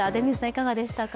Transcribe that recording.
いかがでしたか？